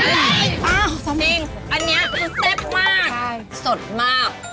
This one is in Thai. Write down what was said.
อ้าวจริงอันนี้เต็บมากสดมาก